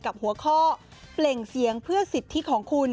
กับหัวข้อเปล่งเสียงเพื่อสิทธิของคุณ